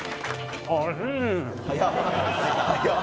早っ！